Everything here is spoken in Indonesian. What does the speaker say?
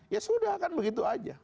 ya sudah kan begitu aja